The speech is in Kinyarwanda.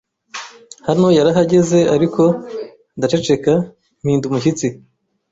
Hano yarahagaze ariko ndaceceka mpinda umushyitsi